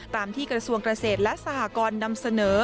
ตามที่กระทรวงเกษตรและสหกรนำเสนอ